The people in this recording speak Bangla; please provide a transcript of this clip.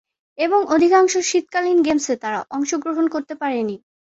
এবং অধিকাংশ শীতকালীন গেমসে তারা অংশগ্রহণ করতে পারেনি।